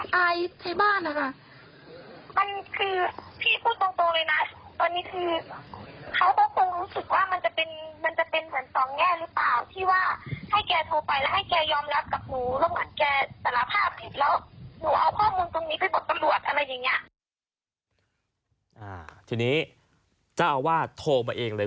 ไปบทตลวดอะไรอย่างเงี้ยอ่าทีนี้จ้าอาวาสโทรมาเองเลย